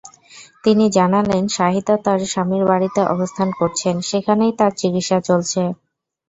তিনি জানালেন, সাহিদা তাঁর স্বামীর বাড়িতে অবস্থান করছেন, সেখানেই তাঁর চিকিত্সা চলছে।